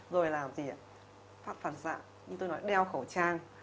rồi làm gì phản xạ như tôi nói đeo khẩu trang